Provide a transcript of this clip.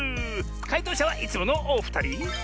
かいとうしゃはいつものおふたり。